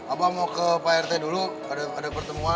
abang mau ke prt dulu ada pertemuan ya